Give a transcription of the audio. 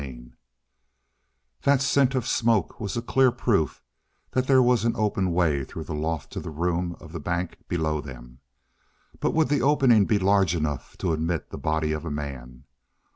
CHAPTER 35 That scent of smoke was a clear proof that there was an open way through the loft to the room of the bank below them. But would the opening be large enough to admit the body of a man?